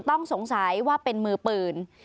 ต้องสงสัยว่าเป็นมือปืน